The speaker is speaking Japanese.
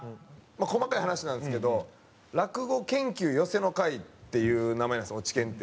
細かい話なんですけど「落語研究寄席の会」っていう名前なんですよ落研って。